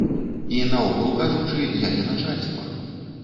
І наогул кажучы, я не начальства!